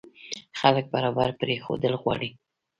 خلکو برابر پرېښودل غواړي.